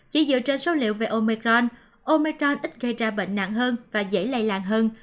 chỉ dựa trên số liệu về omicron omicron ít gây ra bệnh nặng hơn và dễ lây làng hơn